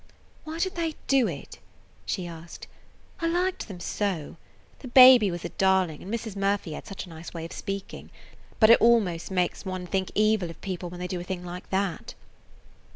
"Why did they do it?" she asked. "I liked them so. The baby was a darling, and Mrs. Murphy had such a nice way of speaking. But it almost makes one think evil of people when they do a thing like that."